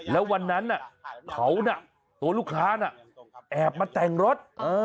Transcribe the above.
แล้ววันนั้นเขาน่ะตัวลูกค้าน่ะแอบมาแต่งรถ